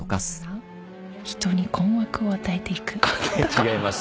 違います。